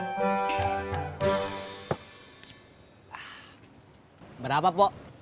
nggak nggang a lo beda ada hebat